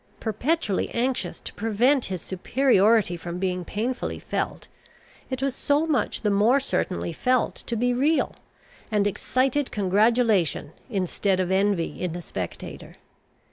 Perpetually anxious to prevent his superiority from being painfully felt, it was so much the more certainly felt to be real, and excited congratulation instead of envy in the spectator.